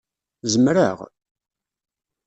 Zemreɣ?